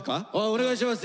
お願いします